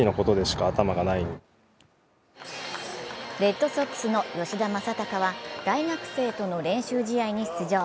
レッドソックスの吉田正尚は大学生との練習試合に出場。